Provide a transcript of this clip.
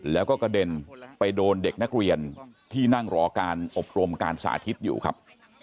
แล้วก็กระเด็นไปโดนเด็กนักเรียนที่นั่งรอการอบรมการสาธิตอยู่ครับ